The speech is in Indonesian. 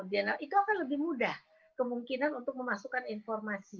itu akan lebih mudah kemungkinan untuk memasukkan informasi